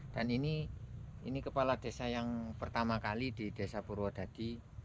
ini kepala desa yang pertama kali di desa purwodadi